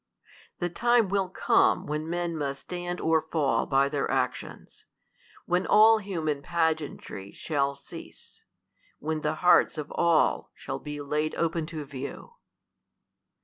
The time will come, when men must stand or fall by their actions ; when all human pageantry shall cease ; when the hearts of all shall be laid open to view.